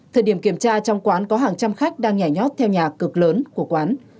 thời điểm kiểm tra trong quán có hàng trăm khách đang nhảy nhót theo nhà cực lớn của quán